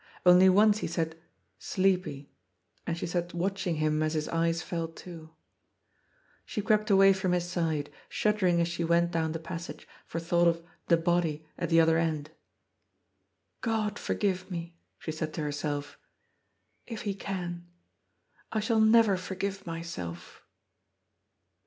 Only once he said " Sleepy," and she sat watching him as his eyes fell to. She crept away from his side, shuddering as she went down the passage, for thought of " the body " at the other end. " God forgive me," she said to herself, " if He can. I shall never forgive myself."